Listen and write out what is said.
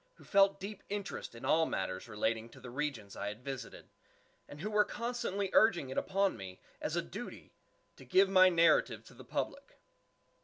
who felt deep interest in all matters relating to the regions I had visited, and who were constantly urging it upon me, as a duty, to give my narrative to the public.